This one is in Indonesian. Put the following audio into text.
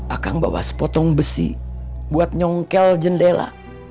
akan bawa sepotong besi buat nyongkel jendela